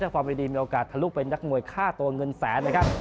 ความไม่ดีมีโอกาสทะลุเป็นนักมวยค่าตัวเงินแสนนะครับ